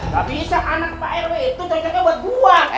gak bisa anak pak rw itu terjaga buat gue